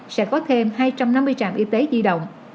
sẽ có thêm hai trăm năm mươi trạm y tế di động